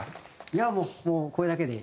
いやもうこれだけで。